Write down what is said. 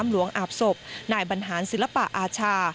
หลวงอาบศพนายบรรหารศิลปะอาชา